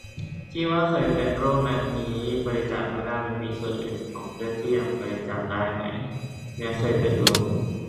ที่ว่าเคยเป็นโรคนั้นนี้บริจาคไม่ได้ มันมีส่วนอื่นของเลือดที่ยังบริจาคได้ไหม แม้เคยเป็นโรค